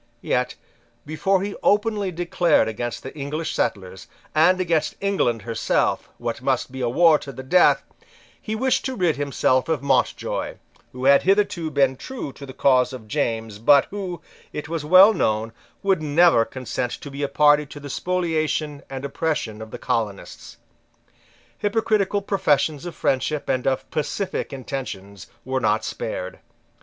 Yet, before he openly declared against the English settlers, and against England herself, what must be a war to the death, he wished to rid himself of Mountjoy, who had hitherto been true to the cause of James, but who, it was well known, would never consent to be a party to the spoliation and oppression of the colonists. Hypocritical professions of friendship and of pacific intentions were not spared.